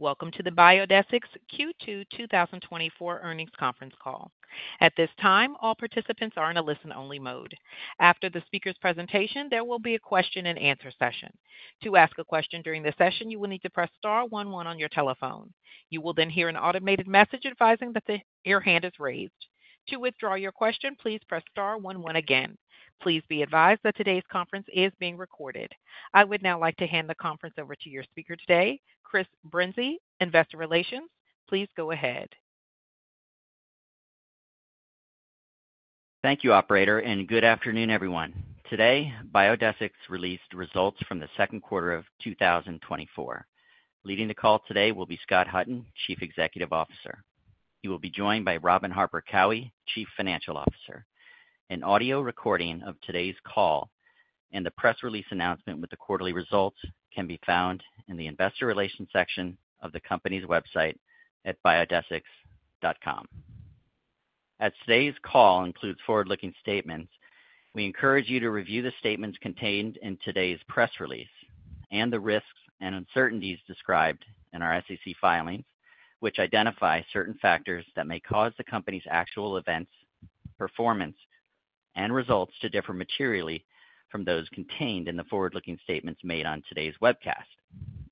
Welcome to the Biodesix Q2 2024 earnings conference call. At this time, all participants are in a listen-only mode. After the speaker's presentation, there will be a question-and-answer session. To ask a question during the session, you will need to press star one one on your telephone. You will then hear an automated message advising that your hand is raised. To withdraw your question, please press star one one again. Please be advised that today's conference is being recorded. I would now like to hand the conference over to your speaker today, Chris Brinzey, Investor Relations. Please go ahead. Thank you, operator, and good afternoon, everyone. Today, Biodesix released results from the second quarter of 2024. Leading the call today will be Scott Hutton, Chief Executive Officer. He will be joined by Robin Harper Cowie, Chief Financial Officer. An audio recording of today's call and the press release announcement with the quarterly results can be found in the Investor Relations section of the company's website at biodesix.com. As today's call includes forward-looking statements, we encourage you to review the statements contained in today's press release and the risks and uncertainties described in our SEC filings, which identify certain factors that may cause the company's actual events, performance, and results to differ materially from those contained in the forward-looking statements made on today's webcast.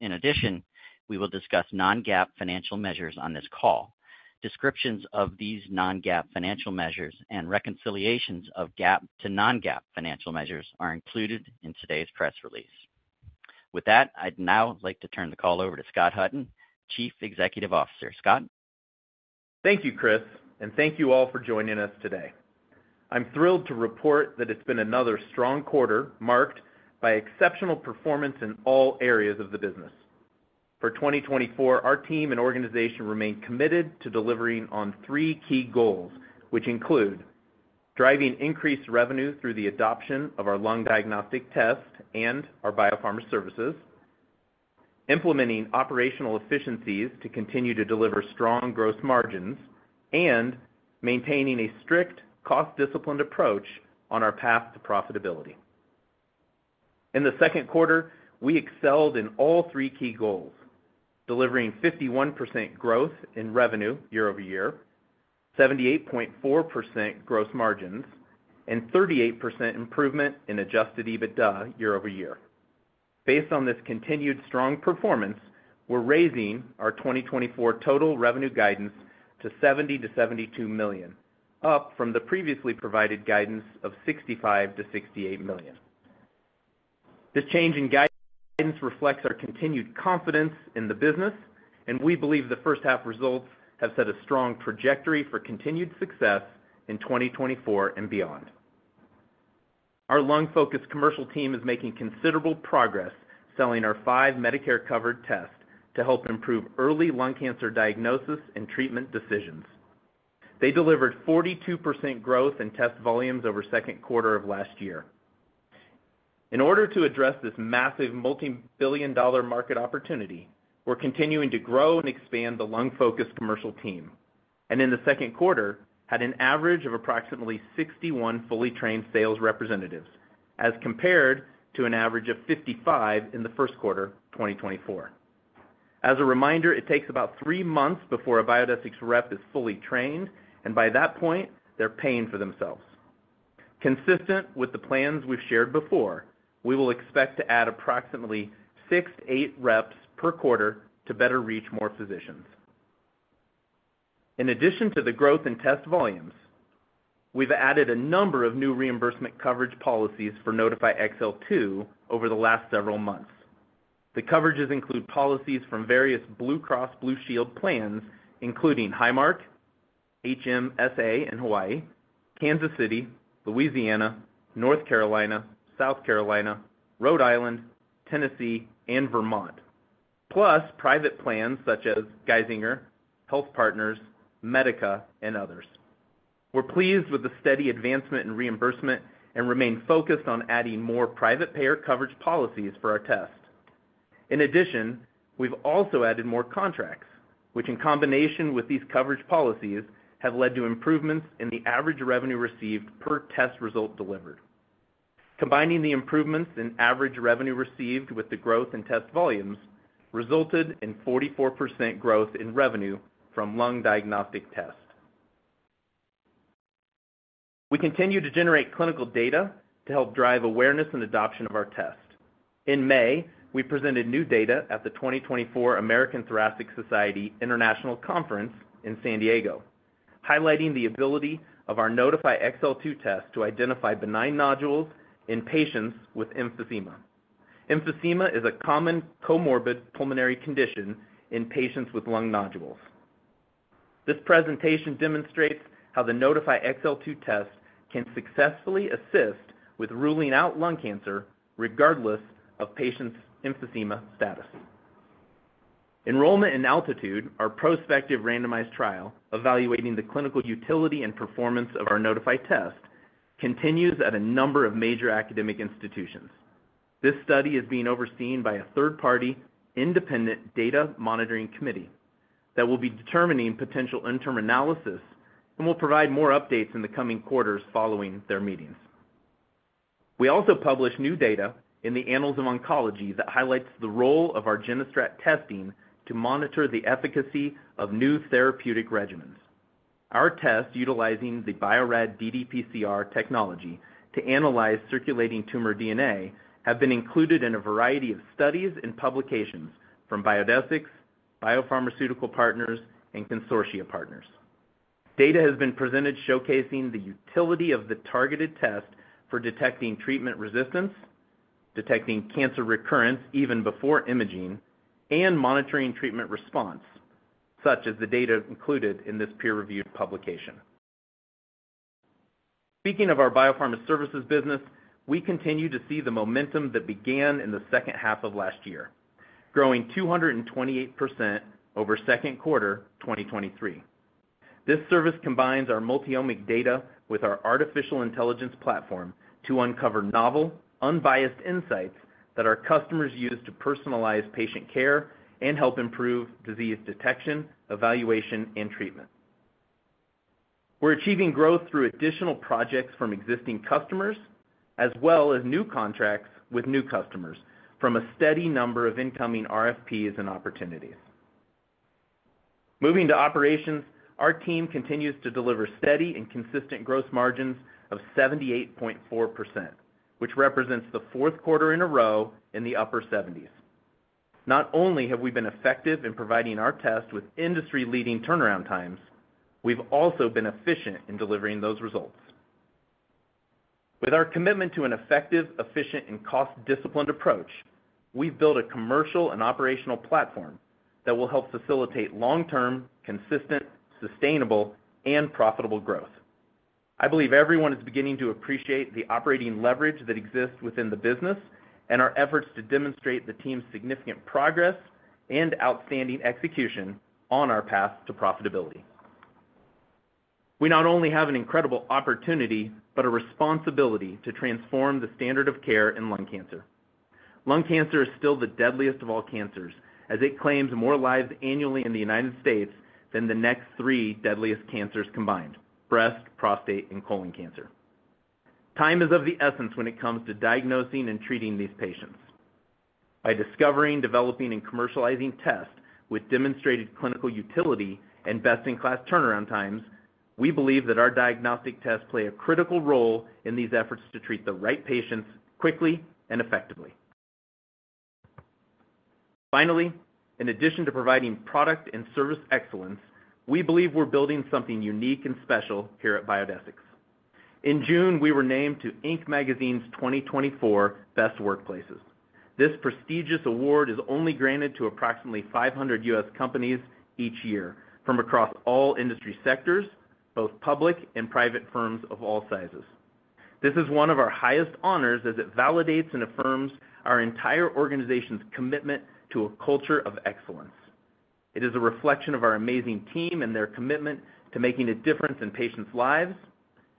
In addition, we will discuss non-GAAP financial measures on this call. Descriptions of these non-GAAP financial measures and reconciliations of GAAP to non-GAAP financial measures are included in today's press release. With that, I'd now like to turn the call over to Scott Hutton, Chief Executive Officer. Scott? Thank you, Chris, and thank you all for joining us today. I'm thrilled to report that it's been another strong quarter, marked by exceptional performance in all areas of the business. For 2024, our team and organization remain committed to delivering on three key goals, which include driving increased revenue through the adoption of our lung diagnostic test and our Biopharma Services, implementing operational efficiencies to continue to deliver strong gross margins, and maintaining a strict cost-disciplined approach on our path to profitability. In the second quarter, we excelled in all three key goals, delivering 51% growth in revenue year-over-year, 78.4% gross margins, and 38% improvement in Adjusted EBITDA year-over-year. Based on this continued strong performance, we're raising our 2024 total revenue guidance to $70 million-$72 million, up from the previously provided guidance of $65 million-$68 million. This change in guidance reflects our continued confidence in the business, and we believe the first half results have set a strong trajectory for continued success in 2024 and beyond. Our lung-focused commercial team is making considerable progress selling our five Medicare-covered tests to help improve early lung cancer diagnosis and treatment decisions. They delivered 42% growth in test volumes over second quarter of last year. In order to address this massive multi-billion dollar market opportunity, we're continuing to grow and expand the lung-focused commercial team, and in the second quarter, had an average of approximately 61 fully trained sales representatives, as compared to an average of 55 in the first quarter of 2024. As a reminder, it takes about three months before a Biodesix rep is fully trained, and by that point, they're paying for themselves. Consistent with the plans we've shared before, we will expect to add approximately 6-8 reps per quarter to better reach more physicians. In addition to the growth in test volumes, we've added a number of new reimbursement coverage policies for Nodify XL2 over the last several months. The coverages include policies from various Blue Cross Blue Shield plans, including Highmark, HMSA in Hawaii, Kansas City, Louisiana, North Carolina, South Carolina, Rhode Island, Tennessee, and Vermont, plus private plans such as Geisinger, HealthPartners, Medica, and others. We're pleased with the steady advancement in reimbursement and remain focused on adding more private payer coverage policies for our test. In addition, we've also added more contracts, which, in combination with these coverage policies, have led to improvements in the average revenue received per test result delivered. Combining the improvements in average revenue received with the growth in test volumes resulted in 44% growth in revenue from lung diagnostic tests. We continue to generate clinical data to help drive awareness and adoption of our test. In May, we presented new data at the 2024 American Thoracic Society International Conference in San Diego, highlighting the ability of our Nodify XL2 test to identify benign nodules in patients with emphysema. Emphysema is a common comorbid pulmonary condition in patients with lung nodules. This presentation demonstrates how the Nodify XL2 test can successfully assist with ruling out lung cancer, regardless of patients' emphysema status. Enrollment in ALTITUDE, our prospective randomized trial, evaluating the clinical utility and performance of our Nodify test, continues at a number of major academic institutions. This study is being overseen by a third-party, independent data monitoring committee that will be determining potential interim analysis and will provide more updates in the coming quarters following their meetings. We also published new data in the Annals of Oncology that highlights the role of our GeneStrat testing to monitor the efficacy of new therapeutic regimens. Our test, utilizing the Bio-Rad ddPCR technology to analyze circulating tumor DNA, have been included in a variety of studies and publications from Biodesix, biopharmaceutical partners, and consortia partners. Data has been presented showcasing the utility of the targeted test for detecting treatment resistance, detecting cancer recurrence even before imaging, and monitoring treatment response, such as the data included in this peer-reviewed publication. Speaking of our Biopharma Services business, we continue to see the momentum that began in the second half of last year, growing 228% over second quarter 2023. This service combines our multi-omic data with our artificial intelligence platform to uncover novel, unbiased insights that our customers use to personalize patient care and help improve disease detection, evaluation, and treatment. We're achieving growth through additional projects from existing customers, as well as new contracts with new customers from a steady number of incoming RFPs and opportunities. Moving to operations, our team continues to deliver steady and consistent gross margins of 78.4%, which represents the fourth quarter in a row in the upper seventies. Not only have we been effective in providing our test with industry-leading turnaround times, we've also been efficient in delivering those results. With our commitment to an effective, efficient, and cost-disciplined approach, we've built a commercial and operational platform that will help facilitate long-term, consistent, sustainable, and profitable growth. I believe everyone is beginning to appreciate the operating leverage that exists within the business and our efforts to demonstrate the team's significant progress and outstanding execution on our path to profitability. We not only have an incredible opportunity, but a responsibility to transform the standard of care in lung cancer. Lung cancer is still the deadliest of all cancers, as it claims more lives annually in the United States than the next three deadliest cancers combined: breast, prostate, and colon cancer. Time is of the essence when it comes to diagnosing and treating these patients. By discovering, developing, and commercializing tests with demonstrated clinical utility and best-in-class turnaround times, we believe that our diagnostic tests play a critical role in these efforts to treat the right patients quickly and effectively. Finally, in addition to providing product and service excellence, we believe we're building something unique and special here at Biodesix. In June, we were named to Inc. Magazine's 2024 Best Workplaces. This prestigious award is only granted to approximately 500 U.S. companies each year from across all industry sectors, both public and private firms of all sizes. This is one of our highest honors, as it validates and affirms our entire organization's commitment to a culture of excellence. It is a reflection of our amazing team and their commitment to making a difference in patients' lives,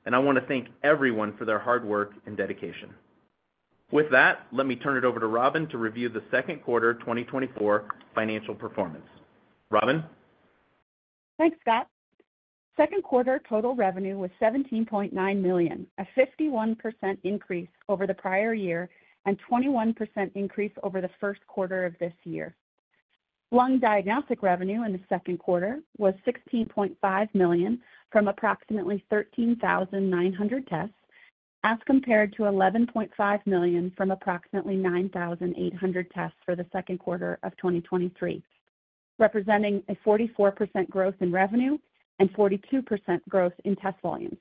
and I want to thank everyone for their hard work and dedication. With that, let me turn it over to Robin to review the second quarter 2024 financial performance. Robin? Thanks, Scott. Second quarter total revenue was $17.9 million, a 51% increase over the prior year and 21% increase over the first quarter of this year. Lung diagnostic revenue in the second quarter was $16.5 million from approximately 13,900 tests, as compared to $11.5 million from approximately 9,800 tests for the second quarter of 2023, representing a 44% growth in revenue and 42% growth in test volumes.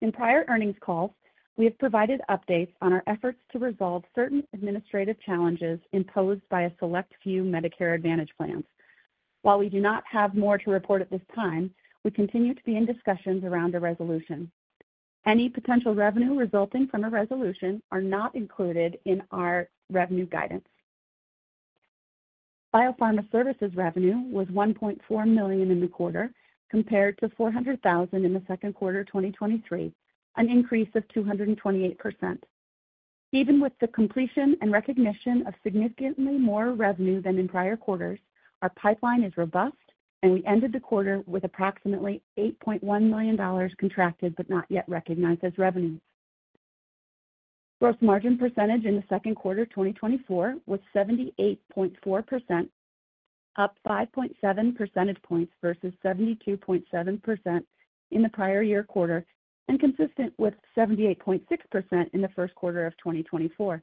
In prior earnings calls, we have provided updates on our efforts to resolve certain administrative challenges imposed by a select few Medicare Advantage plans. While we do not have more to report at this time, we continue to be in discussions around a resolution. Any potential revenue resulting from a resolution are not included in our revenue guidance. Biopharma Services revenue was $1.4 million in the quarter, compared to $400,000 in the second quarter of 2023, an increase of 228%. Even with the completion and recognition of significantly more revenue than in prior quarters, our pipeline is robust, and we ended the quarter with approximately $8.1 million contracted but not yet recognized as revenue. Gross margin percentage in the second quarter of 2024 was 78.4%, up 5.7 percentage points versus 72.7% in the prior year quarter, and consistent with 78.6% in the first quarter of 2024.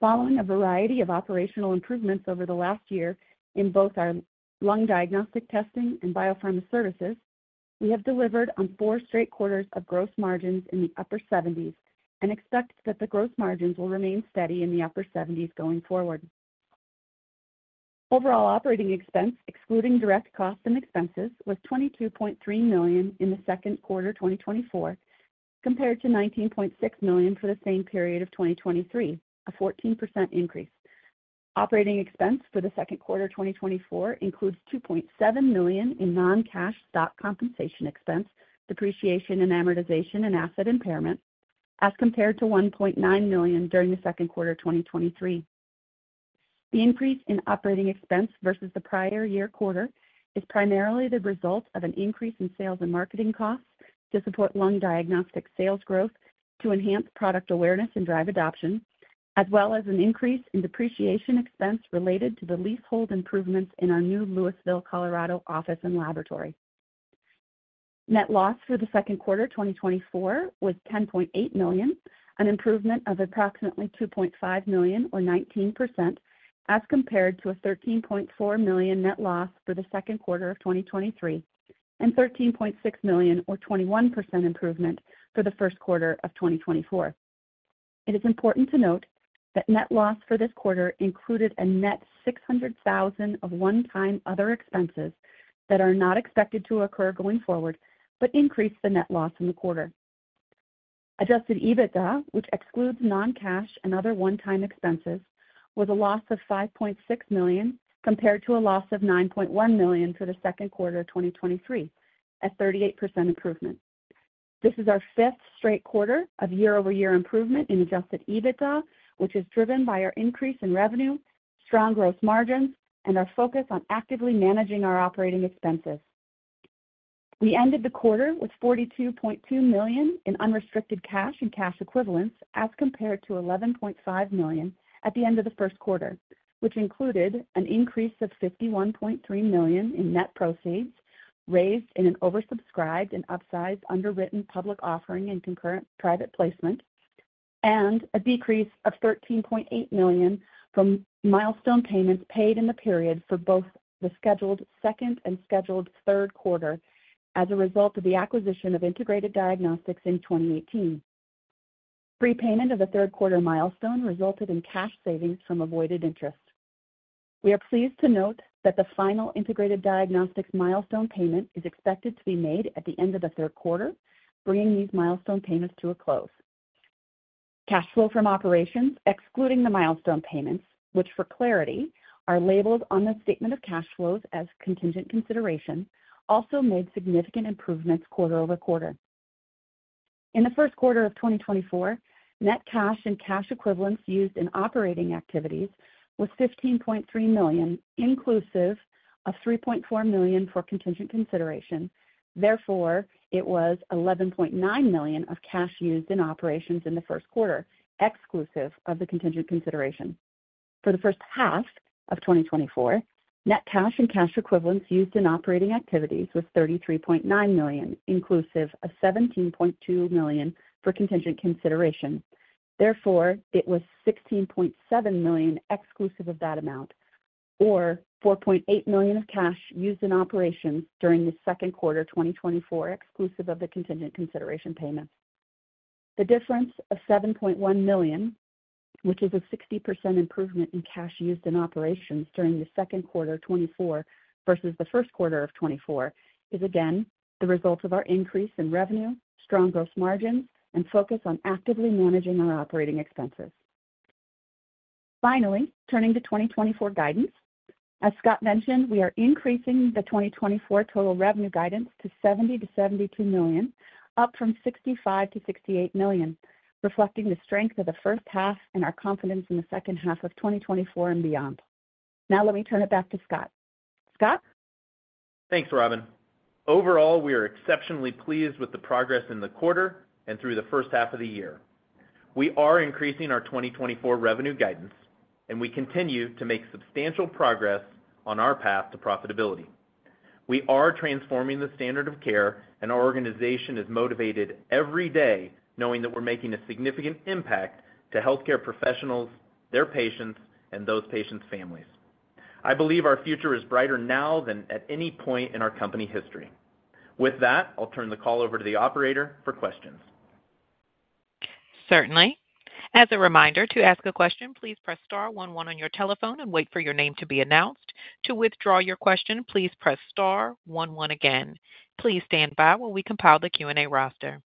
Following a variety of operational improvements over the last year in both our lung diagnostic testing and biopharma services, we have delivered on 4 straight quarters of gross margins in the upper 70s and expect that the gross margins will remain steady in the upper 70s going forward. Overall operating expense, excluding direct costs and expenses, was $22.3 million in the second quarter 2024, compared to $19.6 million for the same period of 2023, a 14% increase. Operating expense for the second quarter 2024 includes $2.7 million in non-cash stock compensation expense, depreciation and amortization, and asset impairment, as compared to $1.9 million during the second quarter of 2023.... The increase in operating expense versus the prior year quarter is primarily the result of an increase in sales and marketing costs to support lung diagnostic sales growth, to enhance product awareness and drive adoption, as well as an increase in depreciation expense related to the leasehold improvements in our new Louisville, Colorado office and laboratory. Net loss for the second quarter, 2024 was $10.8 million, an improvement of approximately $2.5 million or 19%, as compared to a $13.4 million net loss for the second quarter of 2023, and $13.6 million or 21% improvement for the first quarter of 2024. It is important to note that net loss for this quarter included a net $600,000 of one-time other expenses that are not expected to occur going forward, but increased the net loss in the quarter. Adjusted EBITDA, which excludes non-cash and other one-time expenses, was a loss of $5.6 million, compared to a loss of $9.1 million for the second quarter of 2023, a 38% improvement. This is our fifth straight quarter of year-over-year improvement in adjusted EBITDA, which is driven by our increase in revenue, strong gross margins, and our focus on actively managing our operating expenses. We ended the quarter with $42.2 million in unrestricted cash and cash equivalents as compared to $11.5 million at the end of the first quarter, which included an increase of $51.3 million in net proceeds raised in an oversubscribed and upsized underwritten public offering and concurrent private placement, and a decrease of $13.8 million from milestone payments paid in the period for both the scheduled second and scheduled third quarter as a result of the acquisition of Integrated Diagnostics in 2018. Prepayment of the third quarter milestone resulted in cash savings from avoided interest. We are pleased to note that the final Integrated Diagnostics milestone payment is expected to be made at the end of the third quarter, bringing these milestone payments to a close. Cash flow from operations, excluding the milestone payments, which for clarity, are labeled on the statement of cash flows as contingent consideration, also made significant improvements quarter-over-quarter. In the first quarter of 2024, net cash and cash equivalents used in operating activities was $15.3 million, inclusive of $3.4 million for contingent consideration. Therefore, it was $11.9 million of cash used in operations in the first quarter, exclusive of the contingent consideration. For the first half of 2024, net cash and cash equivalents used in operating activities was $33.9 million, inclusive of $17.2 million for contingent consideration. Therefore, it was $16.7 million exclusive of that amount, or $4.8 million of cash used in operations during the second quarter, 2024, exclusive of the contingent consideration payments. The difference of $7.1 million, which is a 60% improvement in cash used in operations during the second quarter of 2024 versus the first quarter of 2024, is again the result of our increase in revenue, strong gross margins, and focus on actively managing our operating expenses. Finally, turning to 2024 guidance. As Scott mentioned, we are increasing the 2024 total revenue guidance to $70 million-$72 million, up from $65 million-$68 million, reflecting the strength of the first half and our confidence in the second half of 2024 and beyond. Now, let me turn it back to Scott. Scott? Thanks, Robin. Overall, we are exceptionally pleased with the progress in the quarter and through the first half of the year. We are increasing our 2024 revenue guidance, and we continue to make substantial progress on our path to profitability. We are transforming the standard of care, and our organization is motivated every day knowing that we're making a significant impact to healthcare professionals, their patients, and those patients' families. I believe our future is brighter now than at any point in our company history. With that, I'll turn the call over to the operator for questions. Certainly. As a reminder, to ask a question, please press star one one on your telephone and wait for your name to be announced. To withdraw your question, please press star one one again. Please stand by while we compile the Q&A roster.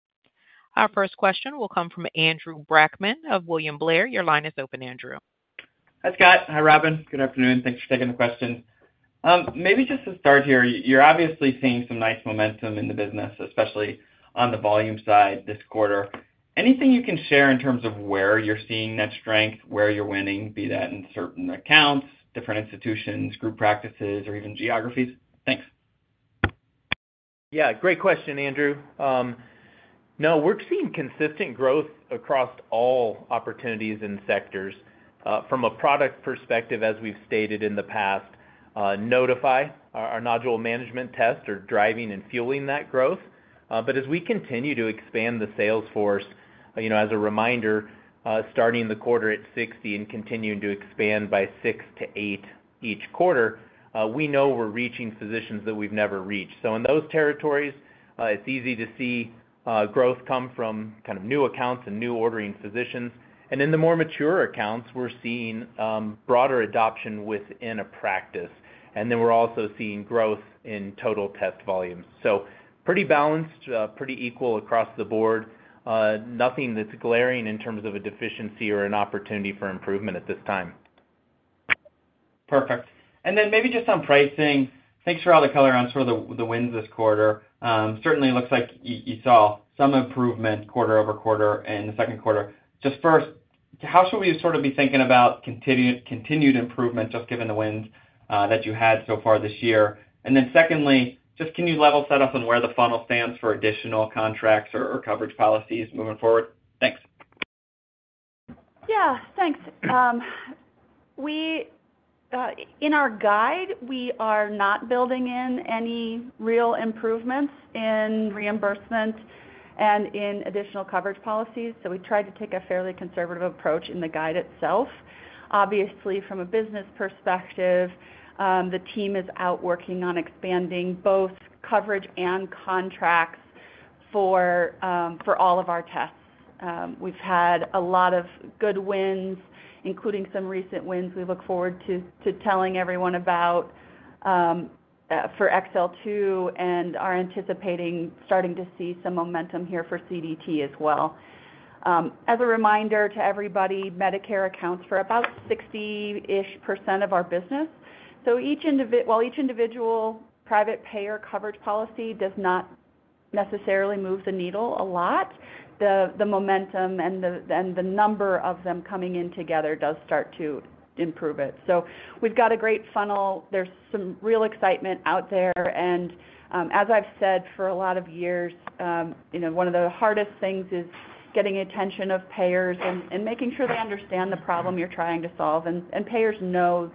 Our first question will come from Andrew Brackman of William Blair. Your line is open, Andrew. Hi, Scott. Hi, Robin. Good afternoon. Thanks for taking the question. Maybe just to start here, you're obviously seeing some nice momentum in the business, especially on the volume side this quarter. Anything you can share in terms of where you're seeing that strength, where you're winning, be that in certain accounts, different institutions, group practices, or even geographies? Thanks. Yeah, great question, Andrew. No, we're seeing consistent growth across all opportunities and sectors. From a product perspective, as we've stated in the past, Nodify, our nodule management test are driving and fueling that growth. But as we continue to expand the sales force, you know, as a reminder, starting the quarter at 60 and continuing to expand by 6-8 each quarter, we know we're reaching physicians that we've never reached. So in those territories, it's easy to see growth come from kind of new accounts and new ordering physicians. And in the more mature accounts, we're seeing broader adoption within a practice, and then we're also seeing growth in total test volumes. So pretty balanced, pretty equal across the board. Nothing that's glaring in terms of a deficiency or an opportunity for improvement at this time.... Perfect. And then maybe just on pricing, thanks for all the color on sort of the wins this quarter. Certainly looks like you saw some improvement quarter-over-quarter in the second quarter. Just first, how should we sort of be thinking about continued improvement, just given the wins that you had so far this year? And then secondly, just can you level set us on where the funnel stands for additional contracts or coverage policies moving forward? Thanks. Yeah, thanks. We in our guide are not building in any real improvements in reimbursement and in additional coverage policies, so we tried to take a fairly conservative approach in the guide itself. Obviously, from a business perspective, the team is out working on expanding both coverage and contracts for, for all of our tests. We've had a lot of good wins, including some recent wins we look forward to, to telling everyone about, for XL2, and are anticipating starting to see some momentum here for CDT as well. As a reminder to everybody, Medicare accounts for about 60%-ish of our business. So while each individual private payer coverage policy does not necessarily move the needle a lot, the momentum and the number of them coming in together does start to improve it. So we've got a great funnel. There's some real excitement out there, and as I've said, for a lot of years, you know, one of the hardest things is getting attention of payers and making sure they understand the problem you're trying to solve. And payers know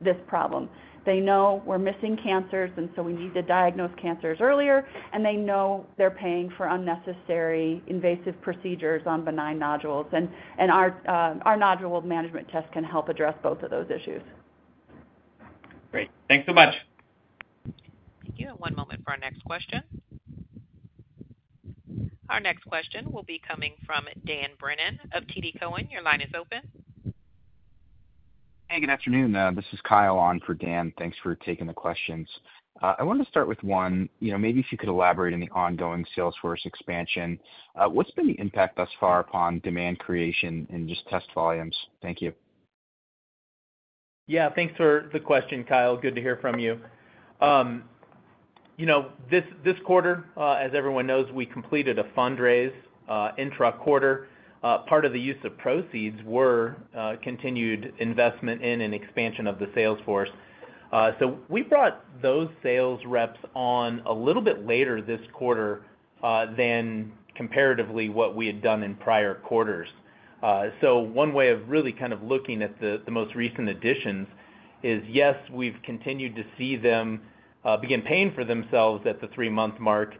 this problem. They know we're missing cancers, and so we need to diagnose cancers earlier, and they know they're paying for unnecessary invasive procedures on benign nodules. And our nodule management test can help address both of those issues. Great. Thanks so much. Give you one moment for our next question. Our next question will be coming from Dan Brennan of TD Cowen. Your line is open. Hey, good afternoon. This is Kyle on for Dan. Thanks for taking the questions. I wanted to start with one, you know, maybe if you could elaborate on the ongoing sales force expansion. What's been the impact thus far upon demand creation and just test volumes? Thank you. Yeah, thanks for the question, Kyle. Good to hear from you. You know, this quarter, as everyone knows, we completed a fundraise, intra-quarter. Part of the use of proceeds were, continued investment in an expansion of the sales force. So we brought those sales reps on a little bit later this quarter, than comparatively what we had done in prior quarters. So one way of really kind of looking at the, the most recent additions is, yes, we've continued to see them, begin paying for themselves at the three-month mark.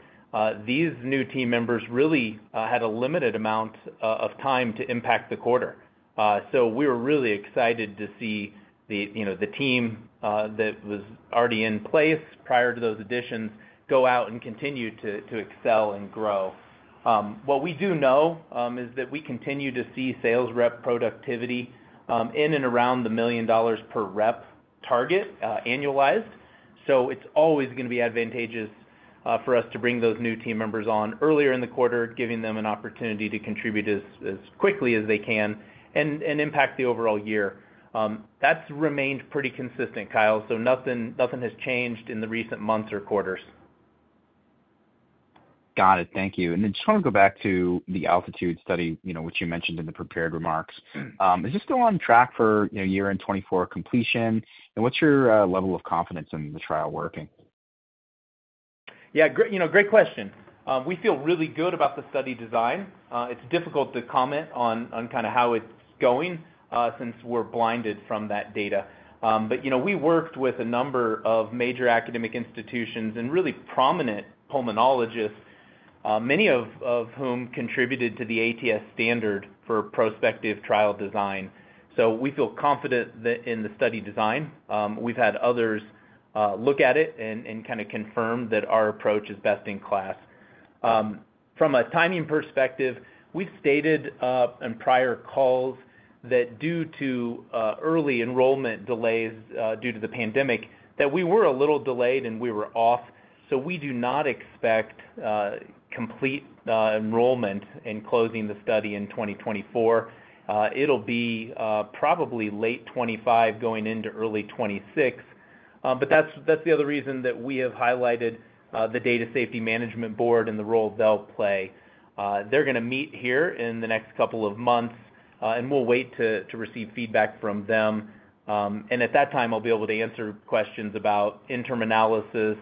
These new team members really, had a limited amount of time to impact the quarter. So we were really excited to see the, you know, the team, that was already in place prior to those additions, go out and continue to, to excel and grow. What we do know is that we continue to see sales rep productivity in and around the $1 million per rep target annualized. So it's always gonna be advantageous for us to bring those new team members on earlier in the quarter, giving them an opportunity to contribute as quickly as they can and impact the overall year. That's remained pretty consistent, Kyle, so nothing has changed in the recent months or quarters. Got it. Thank you. And then just wanna go back to the ALTITUDE study, you know, which you mentioned in the prepared remarks. Mm-hmm. Is this still on track for, you know, year-end 2024 completion? And what's your level of confidence in the trial working? Yeah, great, you know, great question. We feel really good about the study design. It's difficult to comment on kind of how it's going, since we're blinded from that data. But, you know, we worked with a number of major academic institutions and really prominent pulmonologists, many of whom contributed to the ATS standard for prospective trial design. So we feel confident that in the study design. We've had others look at it and kinda confirm that our approach is best in class. From a timing perspective, we've stated in prior calls that due to early enrollment delays due to the pandemic, that we were a little delayed and we were off, so we do not expect complete enrollment in closing the study in 2024. It'll be probably late 2025, going into early 2026. But that's, that's the other reason that we have highlighted the Data Monitoring Committee and the role they'll play. They're gonna meet here in the next couple of months, and we'll wait to receive feedback from them. And at that time, I'll be able to answer questions about interim analysis,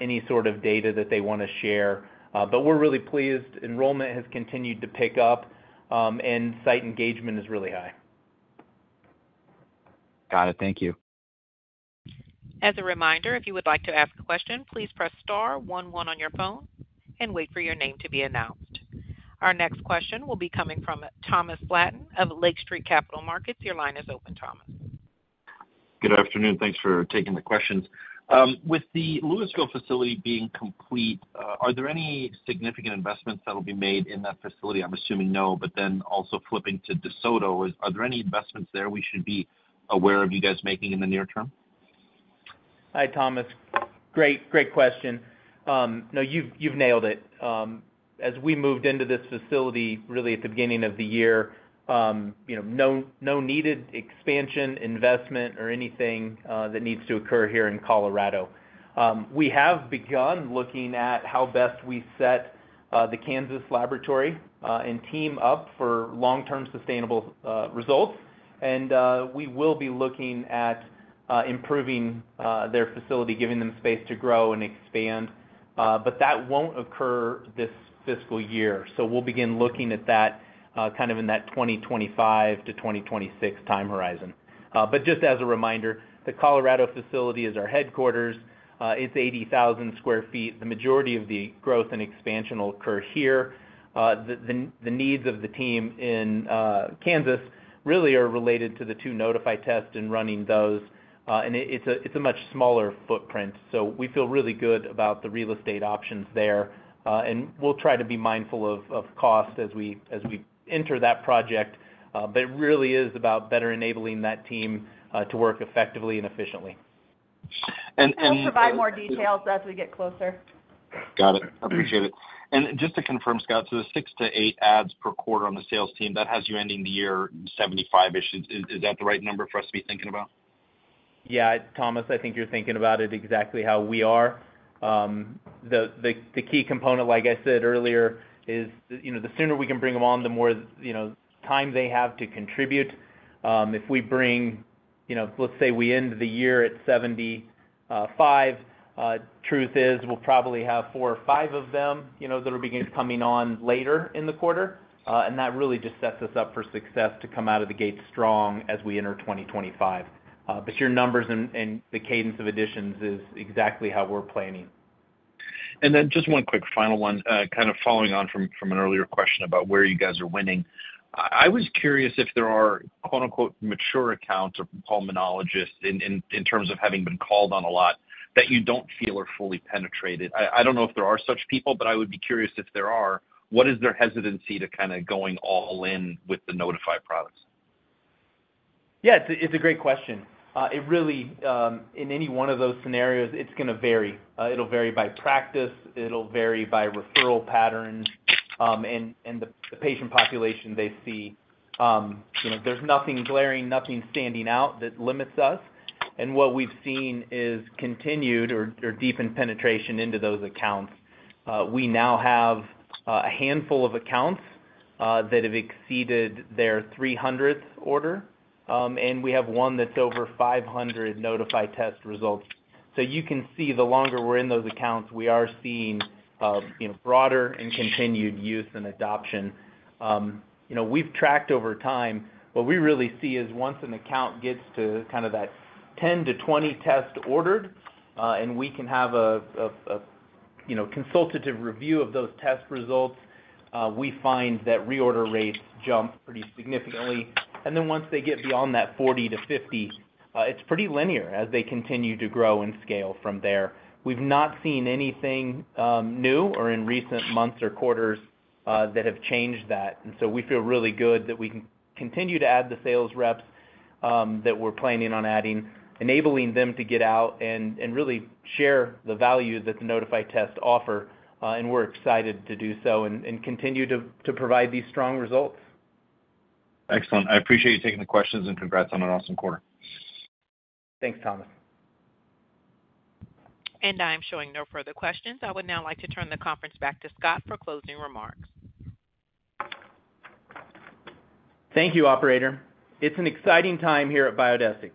any sort of data that they wanna share. But we're really pleased. Enrollment has continued to pick up, and site engagement is really high. Got it. Thank you. As a reminder, if you would like to ask a question, please press star one one on your phone and wait for your name to be announced. Our next question will be coming from Thomas Flaten of Lake Street Capital Markets. Your line is open, Thomas. Good afternoon. Thanks for taking the questions. With the Louisville facility being complete, are there any significant investments that will be made in that facility? I'm assuming no, but then also flipping to De Soto, are there any investments there we should be aware of you guys making in the near term? ... Hi, Thomas. Great, great question. No, you've, you've nailed it. As we moved into this facility, really at the beginning of the year, you know, no needed expansion, investment, or anything that needs to occur here in Colorado. We have begun looking at how best we set the Kansas laboratory and team up for long-term sustainable results. And we will be looking at improving their facility, giving them space to grow and expand, but that won't occur this fiscal year. So we'll begin looking at that kind of in that 2025-2026 time horizon. But just as a reminder, the Colorado facility is our headquarters. It's 80,000 sq ft. The majority of the growth and expansion will occur here. The needs of the team in Kansas really are related to the two Nodify tests and running those. And it's a much smaller footprint, so we feel really good about the real estate options there. And we'll try to be mindful of cost as we enter that project. But it really is about better enabling that team to work effectively and efficiently. And, and- We'll provide more details as we get closer. Got it. I appreciate it. And just to confirm, Scott, so the 6-8 adds per quarter on the sales team, that has you ending the year 75-ish. Is, is that the right number for us to be thinking about? Yeah, Thomas, I think you're thinking about it exactly how we are. The key component, like I said earlier, is, you know, the sooner we can bring them on, the more, you know, time they have to contribute. If we bring, you know... Let's say we end the year at 75, truth is, we'll probably have four or five of them, you know, that'll begin coming on later in the quarter. And that really just sets us up for success to come out of the gate strong as we enter 2025. But your numbers and the cadence of additions is exactly how we're planning. And then just one quick final one, kind of following on from an earlier question about where you guys are winning. I was curious if there are, quote, unquote, "mature accounts" or pulmonologists in terms of having been called on a lot, that you don't feel are fully penetrated. I don't know if there are such people, but I would be curious if there are, what is their hesitancy to kind of going all in with the Nodify products? Yeah, it's a great question. It really, in any one of those scenarios, it's gonna vary. It'll vary by practice, it'll vary by referral pattern, and the patient population they see. You know, there's nothing glaring, nothing standing out that limits us, and what we've seen is continued or deepened penetration into those accounts. We now have a handful of accounts that have exceeded their 300th order, and we have one that's over 500 Nodify test results. So you can see, the longer we're in those accounts, we are seeing you know, broader and continued use and adoption. You know, we've tracked over time. What we really see is once an account gets to kind of that 10-20 tests ordered, and we can have a you know, consultative review of those test results, we find that reorder rates jump pretty significantly. And then once they get beyond that 40-50, it's pretty linear as they continue to grow and scale from there. We've not seen anything, new or in recent months or quarters, that have changed that. And so we feel really good that we can continue to add the sales reps, that we're planning on adding, enabling them to get out and really share the value that the Nodify tests offer, and we're excited to do so and continue to provide these strong results. Excellent. I appreciate you taking the questions, and congrats on an awesome quarter. Thanks, Thomas. I'm showing no further questions. I would now like to turn the conference back to Scott for closing remarks. Thank you, operator. It's an exciting time here at Biodesix.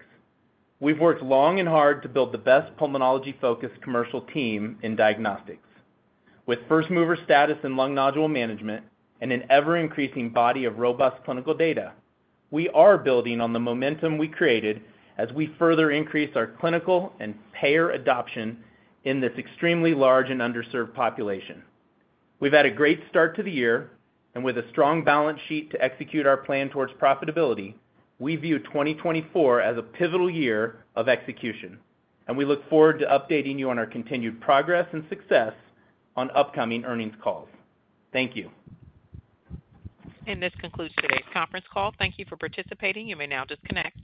We've worked long and hard to build the best pulmonology-focused commercial team in diagnostics. With first mover status in lung nodule management and an ever-increasing body of robust clinical data, we are building on the momentum we created as we further increase our clinical and payer adoption in this extremely large and underserved population. We've had a great start to the year, and with a strong balance sheet to execute our plan towards profitability, we view 2024 as a pivotal year of execution, and we look forward to updating you on our continued progress and success on upcoming earnings calls. Thank you. This concludes today's conference call. Thank you for participating. You may now disconnect.